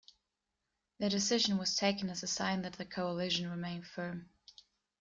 Their decision was taken as a sign that the coalition remained firm.